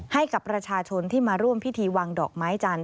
ให้กับประชาชนที่มาร่วมพิธีวางดอกไม้จันท